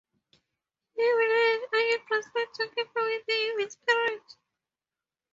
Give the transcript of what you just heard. He will wear an iron bracelet to keep away the evil spirit.